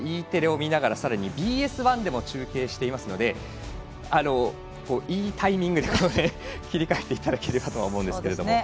Ｅテレを見ながらさらにＢＳ１でも中継してますのでいいタイミングで切り替えていただければとは思うんですけれども。